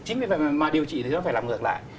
chính vì vậy mà điều trị thì nó phải làm ngược lại